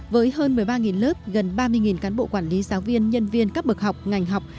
với hơn một mươi ba lớp gần ba mươi cán bộ quản lý giáo viên nhân viên các bậc học ngành học